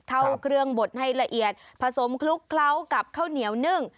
เข้าเครื่องบดให้ละเอียดผสมคลุกเคล้ากับข้าวเหนียวนึ่ง